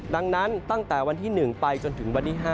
ดังนั้นตั้งแต่วันที่๑ไปจนถึงวันที่๕